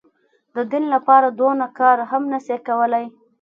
د دين لپاره دونه کار هم نه سي کولاى.